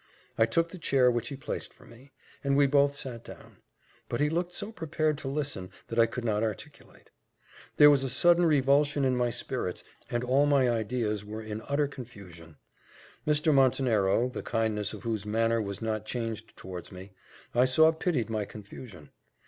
I took the chair which he placed for me, and we both sat down: but he looked so prepared to listen, that I could not articulate. There was a sudden revulsion in my spirits, and all my ideas were in utter confusion. Mr. Montenero, the kindness of whose manner was not changed towards me, I saw pitied my confusion.